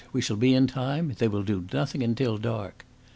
We shall be in time. They will do nothing until dark."